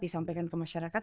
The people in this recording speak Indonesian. disampaikan ke masyarakat